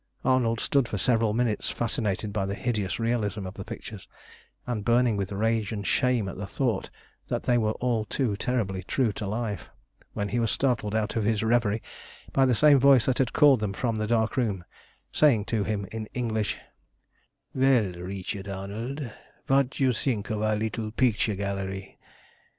Arnold stood for several minutes fascinated by the hideous realism of the pictures, and burning with rage and shame at the thought that they were all too terribly true to life, when he was startled out of his reverie by the same voice that had called them from the dark room saying to him in English "Well, Richard Arnold, what do you think of our little picture gallery?